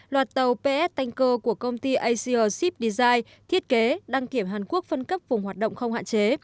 loạt tàu ps tanker của công ty asia ship dezide thiết kế đăng kiểm hàn quốc phân cấp vùng hoạt động không hạn chế